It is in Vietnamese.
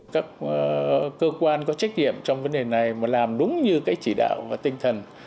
các cơ quan có trách nhiệm trong vấn đề này mà làm đúng như cái chỉ đạo và tinh thần